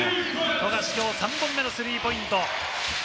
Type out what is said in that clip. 富樫、きょう３本目のスリーポイント。